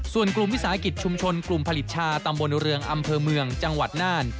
ส่วนกลุ่มวิสาหกิจชุมชนกลุ่มผลิตชาตำบลเรืองอำเภอเมืองจังหวัดน่าน